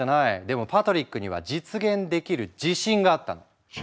でもパトリックには実現できる自信があったの。